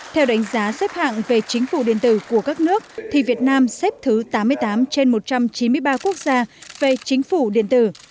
theo đánh giá xếp hạng về chính phủ điện tử của các nước thì việt nam xếp thứ tám mươi tám trên một trăm chín mươi ba quốc gia về chính phủ điện tử